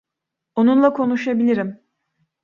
Onunla konuşabilirim.